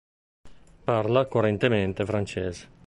Parla correntemente francese.